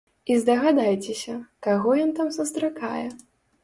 І здагадайцеся, каго ён там сустракае?